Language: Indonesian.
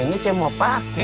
ini saya mau pakai